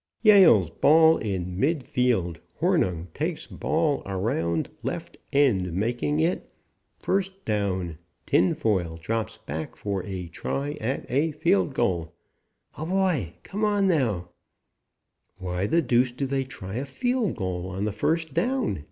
Yale's ball in mid field Hornung takes ball around left end making it¯ first down Tinfoil drops back for a try at a field goal. (Oh, boy! Come on, now!)" "Why the deuce do they try a field goal on the first down?"